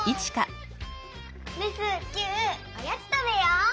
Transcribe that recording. レスキューおやつ食べよう！